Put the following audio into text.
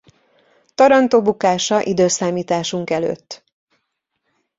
Taranto bukása i.e.